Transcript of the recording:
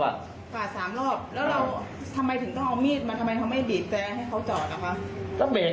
ฝ่าสามรอบแล้วเราทำไมถึงต้องเอามีดมาทำไมเขาไม่บีบแต่ให้เขาจอดนะคะ